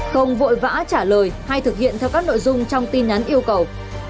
không vội vã trả lời hay thực hiện theo các nội dung trong tin nhắn yêu cầu